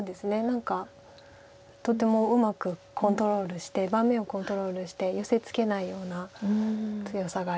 何かとてもうまくコントロールして盤面をコントロールして寄せつけないような強さがありました。